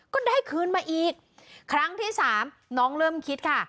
ก็ได้คืนมาอีกครั้งที่สามน้องเริ่มคิดค่ะ